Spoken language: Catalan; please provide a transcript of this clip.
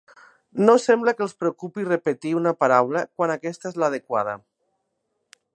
No sembla que els preocupi repetir una paraula quan aquesta és l'adequada.